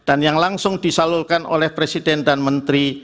dan yang langsung disalurkan oleh presiden dan menteri